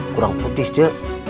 kurang putih je